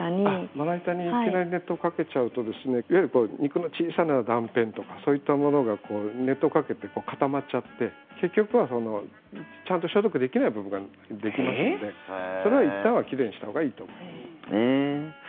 まな板にいきなり熱湯をかけちゃうといわゆる肉の小さな断片とかそういったものが熱湯をかけて、固まっちゃって結局はちゃんと消毒できない部分ができますのでいったんは奇麗にしたほうがいいと思います。